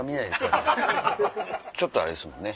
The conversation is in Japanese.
ちょっとあれですもんね。